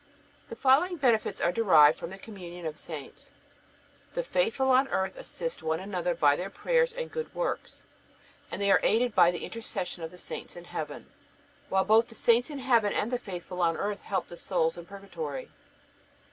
The following benefits are derived from the communion of saints: the faithful on earth assist one another by their prayers and good works, and they are aided by the intercession of the saints in heaven, while both the saints in heaven and the faithful on earth help the souls in purgatory.